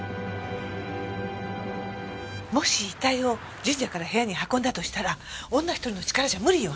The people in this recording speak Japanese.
もし遺体を神社から部屋に運んだとしたら女一人の力じゃ無理よ。